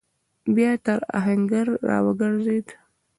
بيا تر آهنګر راوګرځېد.